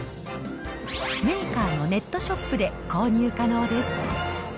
メーカーのネットショップで購入可能です。